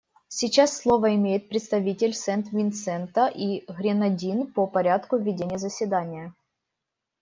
Сейчас слово имеет представитель Сент-Винсента и Гренадин по порядку ведения заседания.